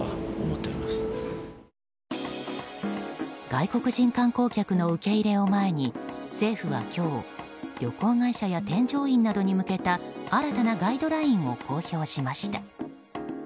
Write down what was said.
外国人観光客の受け入れを前に政府は今日、旅行会社や添乗員などに向けた新たなガイドラインを公表しました。